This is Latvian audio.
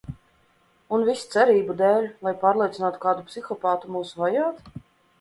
Un viss cerību dēļ, lai pārliecinātu kādu psihopātu mūs vajāt?